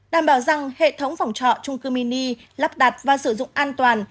đảm bảo rằng hệ thống phòng trọ chung cư mini lắp đặt và sử dụng an toàn